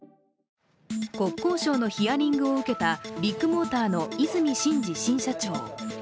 国交省のヒアリングを受けたビッグモーターの和泉伸二新社長。